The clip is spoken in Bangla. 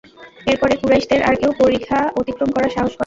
এরপরে কুরাইশদের আর কেউ পরিখা অতিক্রম করার সাহস করেনি।